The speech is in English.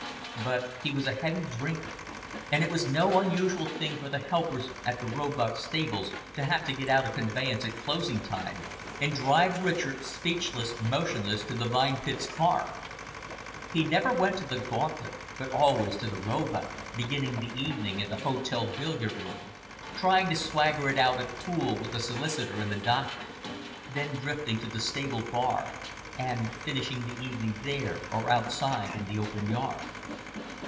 But he was a heavy drinker, and it was no unusual thing for the helpers at the Roebuck stables to have to get out a conveyance at closing time and drive Richard, speechless, motionless, to Vine Pits Farm. He never went to the Gauntlet, but always to the Roebuck beginning the evening in the hotel billiard room, trying to swagger it out at pool with the solicitor and the doctor, then drifting to the stable bar, and finishing the evening there, or outside in the open yard.